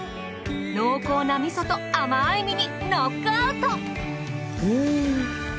濃厚な味噌と甘い身にノックアウト。